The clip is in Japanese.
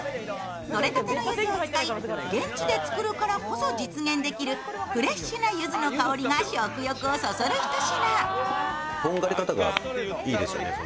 とれたてのゆずを使い、現地で作るからこそ実現できるフレッシュなゆずの香りが食欲をそそるひと品。